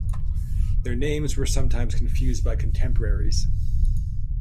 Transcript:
Their names were sometimes confused by contemporaries.